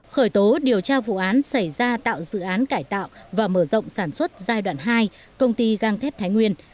khởi tố điều tra vụ án xảy ra tạo dự án cải tạo và mở rộng sản xuất giai đoạn hai công ty găng thép thái nguyên